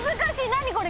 何これ？